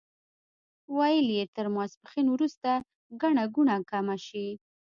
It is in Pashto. ویل یې تر ماسپښین وروسته ګڼه ګوڼه کمه شي.